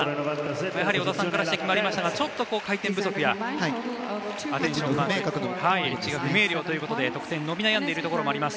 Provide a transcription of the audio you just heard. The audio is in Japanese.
やはり織田さんから指摘がありましたがちょっと回転不足やエッジが不明瞭ということで得点、伸び悩んでいるところもあります。